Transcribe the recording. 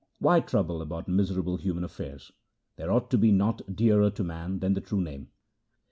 ' Why trouble about miserable human affairs ? There ought to be naught dearer to man than the True Name.'